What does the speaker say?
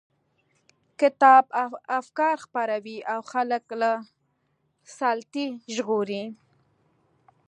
کتاب افکار خپروي او خلک له سلطې ژغوري.